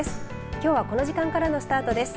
きょうはこの時間からのスタートです。